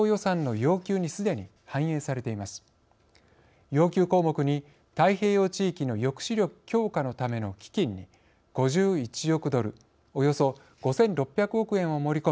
要求項目に太平洋地域の抑止力強化のための基金に５１億ドルおよそ５，６００億円を盛り込み